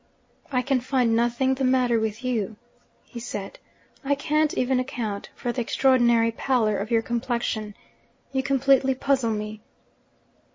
'I can find nothing the matter with you,' he said. 'I can't even account for the extraordinary pallor of your complexion. You completely puzzle me.'